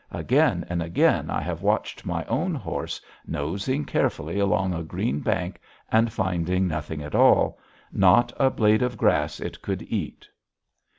Again and again I have watched my own horse nosing carefully along a green bank and finding nothing at all, not a blade of grass it could eat.